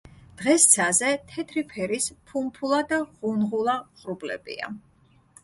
დღეს ცაზე თეთრი ფერის ფუმფულა და ღუნღულა ღრუბლებია.